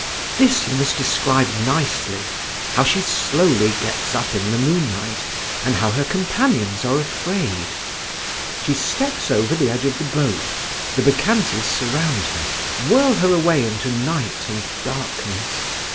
This you must describe nicely: how she slowly gets up in the moonlight, and how her companions are afraid…. She steps over the edge of the boat, the Bacchantes surround her, whirl her away into night and darkness….